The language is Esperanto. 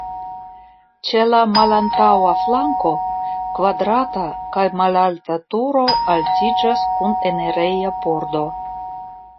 Ĉe la malantaŭa flanko kvadrata kaj malalta turo altiĝas kun enireja pordo.